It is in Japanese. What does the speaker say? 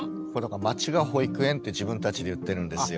街が保育園って自分たちで言ってるんですよ。